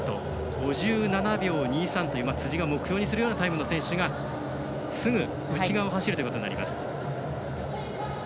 ５７秒２３という辻が目標にするタイムを持つ選手がすぐ内側を走るということになります。